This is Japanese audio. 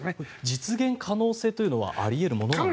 実現可能性というのはあり得るものなんですか？